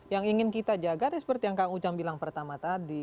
yang ingin kita jaga deh seperti yang kang ujang bilang pertama tadi